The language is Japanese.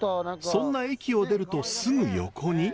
そんな駅を出るとすぐ横に。